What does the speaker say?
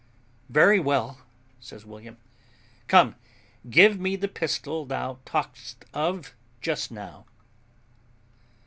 "Very well," says William; "come, give me the pistol thou talkedst of just now."